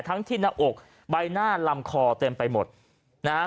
ที่หน้าอกใบหน้าลำคอเต็มไปหมดนะฮะ